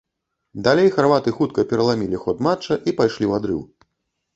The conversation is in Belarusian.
Далей харваты хутка пераламілі ход матча і пайшлі ў адрыў.